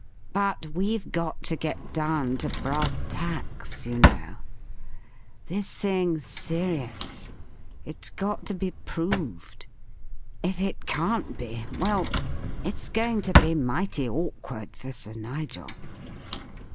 "But we've got to get down to brass tacks, you know. This thing's serious. It's got to be proved. If it can't be well, it's going to be mighty awkward for Sir Nigel.